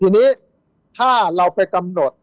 ทีนี้ถ้าเราไปกำหนด